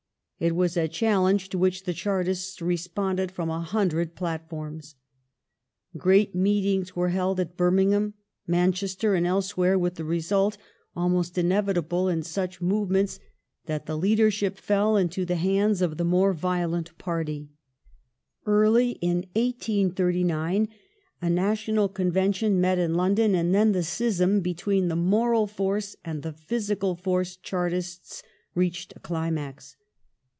It was a challenge to which the Chartists responded from a hundred plat forms. Great meetings were held at Birmingham, Manchester, and elsewhere, with the result, almost inevitable in such movements, that the leadership fell into the hands of the more violent party. Early in 1839 a national convention met in London, and then the schism between the " moral force " and the " physical force " Chartists reached a climax.